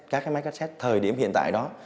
các cái máy cassette thời điểm hiện tại đó